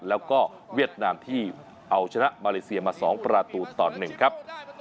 แล้วก็เวียดนามที่เอาชนะมาเลเซียมา๒ประตูต่อ๑ครับ